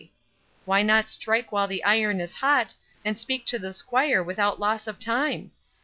Why not strike while the iron is hot, and speak to the 'squire without loss of time?